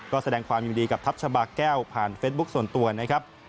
ก็แสดงความยินดีกับทัพชาบาแก้วผ่านเฟซบุ๊คส่วนตัวนะครับ